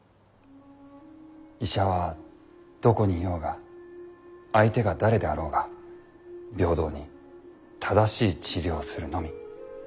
医者はどこにいようが相手が誰であろうが平等に正しい治療をするのみ。